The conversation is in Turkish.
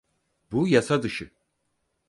Bu yasa dışı.